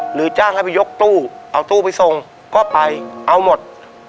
หรือจ้างให้ไปยกตู้เอาตู้ไปส่งก็ไปเอาหมด